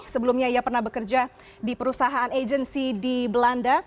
sebelumnya ia pernah bekerja di perusahaan agency di belanda